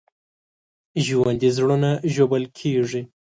ژوندي زړونه ژوبل کېږي